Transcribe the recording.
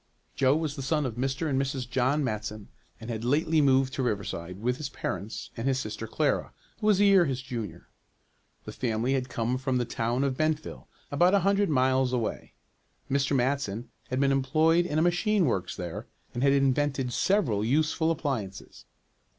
Joe was the son of Mr. and Mrs. John Matson, and had lately moved to Riverside with his parents and his sister Clara, who was a year his junior. The family had come from the town of Bentville, about a hundred miles away. Mr. Matson had been employed in a machine works there, and had invented several useful appliances.